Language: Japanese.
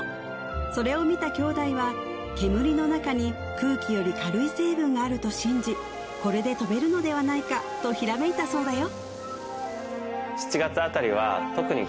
それを見た兄弟は煙の中に空気より軽い成分があると信じこれで飛べるのではないかとひらめいたそうだよ